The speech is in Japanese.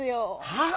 はあ⁉